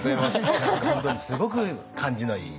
本当にすごく感じのいい。